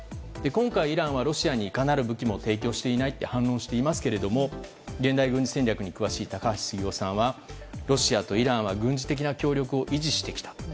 今回、イランはロシアにいかなる武器も提供していないと反論していますが現代軍事戦略に詳しい高橋杉雄さんはロシアとイランは軍事的な協力を維持してきた。